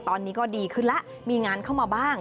ตอนนี้ก็ดีขึ้นแล้วมีงานเข้ามาบ้าง